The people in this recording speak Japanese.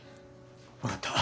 分かった。